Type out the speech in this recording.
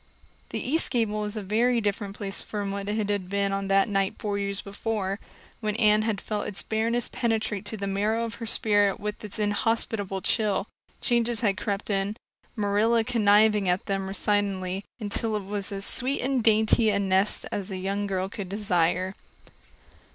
The east gable was a very different place from what it had been on that night four years before, when Anne had felt its bareness penetrate to the marrow of her spirit with its inhospitable chill. Changes had crept in, Marilla conniving at them resignedly, until it was as sweet and dainty a nest as a young girl could desire.